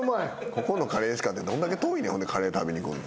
ここのカレーしかってどんだけ遠いねんほんでカレー食べに来んの。